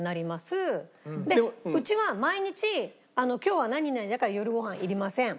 うちは毎日「今日は何々だから夜ご飯いりません」